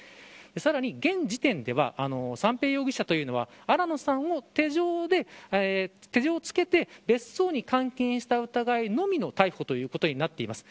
さらに、現時点では三瓶容疑者というのは新野さんを手錠を付けて別荘に監禁した疑いのみの逮捕ということになっています。